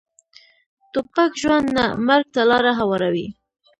توپک ژوند نه، مرګ ته لاره هواروي.